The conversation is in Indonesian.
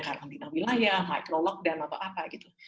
karantina wilayah micro lockdown atau apa gitu